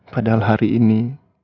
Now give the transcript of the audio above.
padahal hari ini